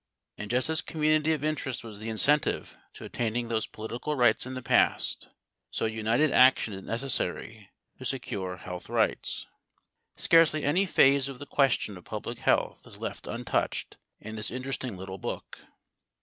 And just as community of interest was the incentive to attaining those political rights in the past, so united action is necessary to secure health rights. Scarcely any phase of the question of public health is left untouched in this interesting little book.